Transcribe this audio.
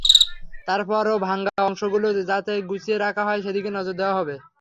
তারপরও ভাঙা অংশগুলো যাতে গুছিয়ে রাখা হয়, সেদিকে নজর দেওয়া হবে।